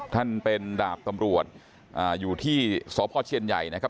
ท่านเป็นดาบตำรวจอยู่ที่สพเชียนใหญ่นะครับ